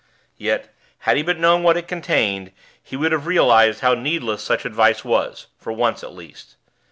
Yet, had he but known what it contained, he would have realized how needless such advice was, for once at least.